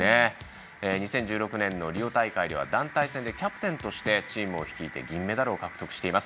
２０１６年のリオ大会では団体戦でキャプテンとしてチームを率いて銀メダルを獲得しています。